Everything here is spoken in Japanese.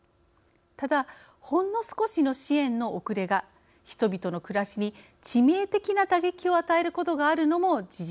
ただほんの少しの支援の遅れが人々の暮らしに致命的な打撃を与えることがあるのも事実です。